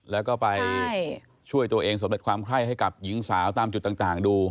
แล้วก็ไปช่วยตัวเองสำเร็จความไข้ให้กับหญิงสาวตามจุดต่างดู